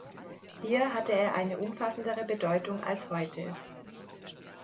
Hier hatte er eine umfassendere Bedeutung als heute.